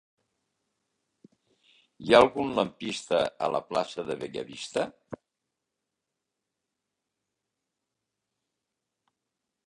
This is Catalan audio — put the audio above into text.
Hi ha algun lampista a la plaça de Bellavista?